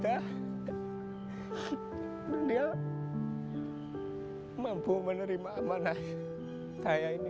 dan dia mampu menerima amanah saya ini